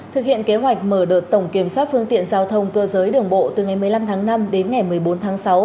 thực hiện kế hoạch mở đợt tổng kiểm soát phương tiện giao thông cơ giới đường bộ từ ngày một mươi năm tháng năm đến ngày một mươi bốn tháng sáu